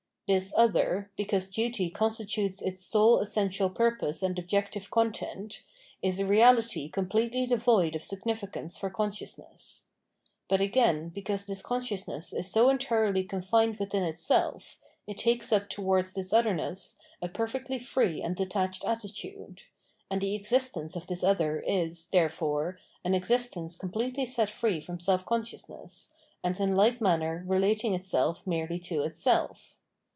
This other, because duty constitutes its sole essential purpose and objective con tent, is a reality completely devoid of significance for consciousness. But again because this consciousness is so entirely confined within itself, it takes up towards this otherness a perfectly free and detached attitude ; and the existence of this other is, therefore, an exis tence completely set free from self consciousness, and in like manner relating itself merely to itself.